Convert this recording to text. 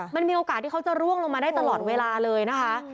มันมีโอกาสที่เขาจะร่วงลงมาได้ตลอดเวลาเลยนะคะ